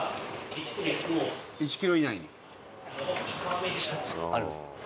１キロ以内に？